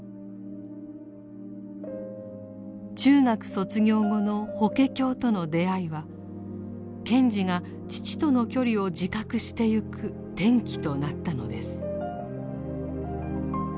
中学卒業後の法華経との出会いは賢治が父との距離を自覚してゆく転機となったのです。